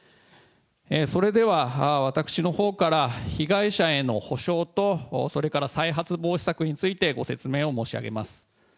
それでは、私のほうから被害者への補償と、それから再発防止策について、ご説明を申し上げます。